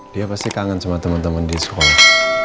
dia pasti kangen sama temen temen di sekolah